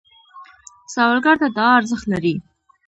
سوالګر ته دعا ارزښت لري